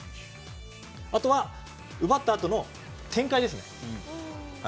あとは奪ったあとの展開ですね。